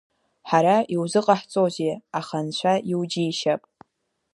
Ҳара иузыҟаҳҵозеи, аха анцәа иуџьишьап.